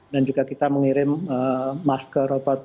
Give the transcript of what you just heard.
dan juga kita mengirim masker